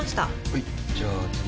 はいじゃあ次。